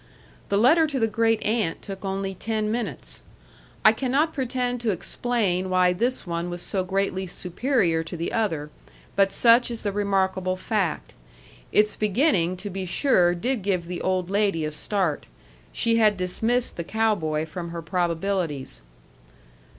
The letter to the great aunt took only ten minutes. I cannot pretend to explain why this one was so greatly superior to the other; but such is the remarkable fact. Its beginning, to be sure, did give the old lady a start; she had dismissed the cow boy from her probabilities.